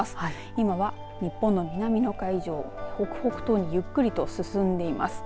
今は日本の南の海上北北東にゆっくりと進んでいます。